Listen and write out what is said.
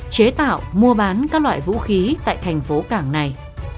chế tạo mua bán các loại vũ khí tại thành phố cảng này